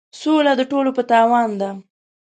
سوله د ټولو په تاوان ده.